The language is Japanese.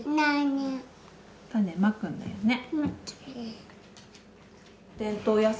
種まくんだよね。